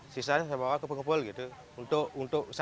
sisanya saya bawa ke pengepul gitu untuk sehari hari lah